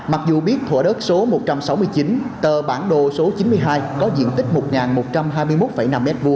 mặc dù biết thủa đất số một trăm sáu mươi chín tờ bản đồ số chín mươi hai có diện tích một một trăm hai mươi một năm m hai